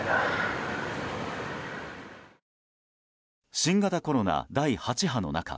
新型コロナ第８波の中